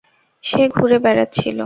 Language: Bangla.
সে ঘুরে বেড়াচ্ছিল।